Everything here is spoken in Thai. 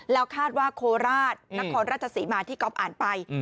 เราคาดว่าโคลราชนครราชศรีมาที่ก็อ่านไป